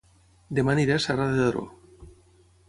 Dema aniré a Serra de Daró